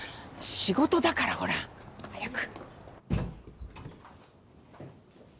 仕事だからほら早く。